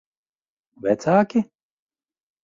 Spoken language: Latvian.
Vecāki?